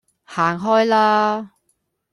行開啦